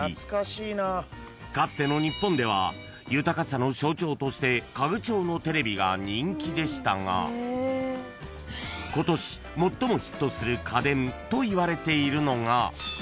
［かつての日本では豊かさの象徴として家具調のテレビが人気でしたが今年最もヒットする家電といわれているのが］